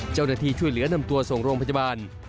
เจ้าหน้าที่ช่วยเหลือนำตัวส่งโรงพยาบาล